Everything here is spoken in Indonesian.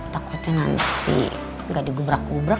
takutnya nanti nggak digubrak gubrak